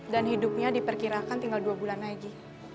dan hidupnya diperkirakan tinggal dua bulan lagi